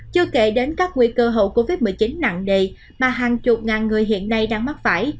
chưa kể đến các nguy cơ hậu covid một mươi chín nặng đề mà hàng chục ngàn người hiện nay đang mắc phải